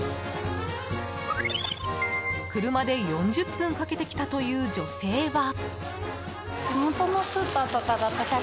車で４０分かけて来たという女性は。